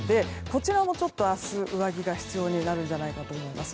こちらも明日上着が必要になるかと思います。